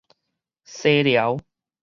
西寮